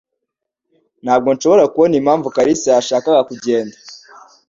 Ntabwo nshobora kubona impamvu Kalisa yashaka kugenda